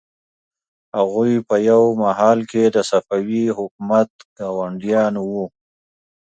هغوی په یوه مهال کې د صفوي حکومت ګاونډیان وو.